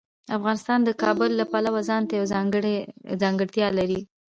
افغانستان د کابل له پلوه ځانته یوه ځانګړتیا لري.